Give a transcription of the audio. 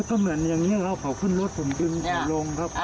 ก็เหมือนอย่างนี้ครับเขาขึ้นรถผมดึงผมลงครับ